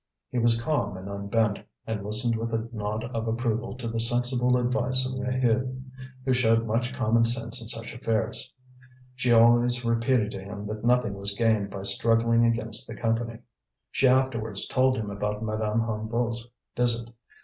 He was calm and unbent, and listened with a nod of approval to the sensible advice of Maheude, who showed much common sense in such affairs. She always repeated to him that nothing was gained by struggling against the Company. She afterwards told him about Madame Hennebeau's visit.